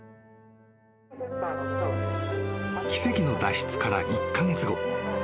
［奇跡の脱出から１カ月後］